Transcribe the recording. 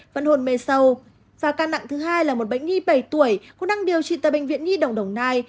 vẫn hồn mê sâu và ca nặng thứ hai là một bệnh nhi bảy tuổi cũng đang điều trị tại bệnh viện nhi đồng đồng nai